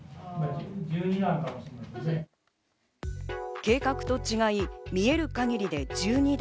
計画と違い、見える限りで１２段。